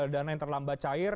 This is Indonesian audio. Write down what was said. dana yang terlambat cair